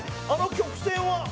「あの曲線は」